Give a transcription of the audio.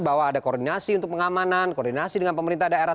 bahwa ada koordinasi untuk pengamanan koordinasi dengan pemerintah daerah